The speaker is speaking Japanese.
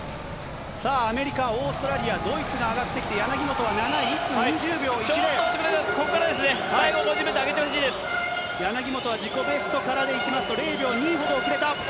さあ、アメリカ、オーストラリア、ドイツが上がってきて、ちょっと遅れて、ここからで柳本は自己ベストからでいきますと、０秒２ほど遅れた。